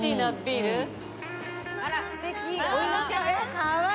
かわいい！